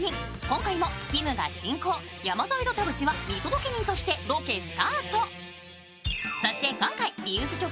今回もきむが進行山添と田渕は見届け人としてロケスタート。